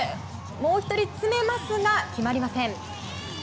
もう１人、詰めますが決まりません。